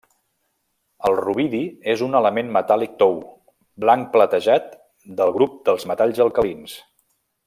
El rubidi és un element metàl·lic tou, blanc platejat, del grup dels metalls alcalins.